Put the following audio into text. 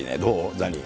ザニー。